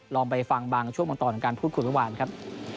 ลองไปฟังบางชั่วโมงตอนการพูดคุมทุกวันครับ